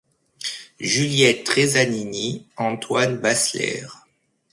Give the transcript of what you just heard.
Juliette Tresanini, Antoine Basler.